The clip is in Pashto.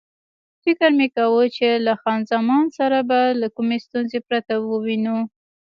فکر مې کاوه چې له خان زمان سره به له کومې ستونزې پرته ووینو.